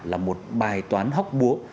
là một bài toán hóc búa